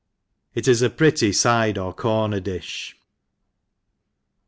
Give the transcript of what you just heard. It is a pretty fide or corner difh.